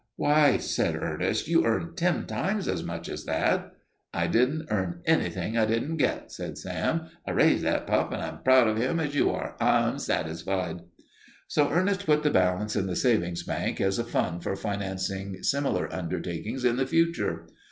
"Why," said Ernest, "you earned ten times as much as that." "I didn't earn anything I didn't get," said Sam. "I raised that pup and I'm as proud of him as you are. I'm satisfied." So Ernest put the balance in the savings bank as a fund for financing similar undertakings in the future.